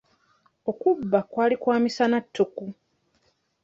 Okubba kwali kwa misana tuku.